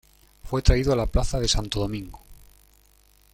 Fue traído a la Plaza de Santo Domingo.